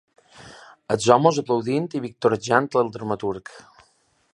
Els homes aplaudint i victorejant al dramaturg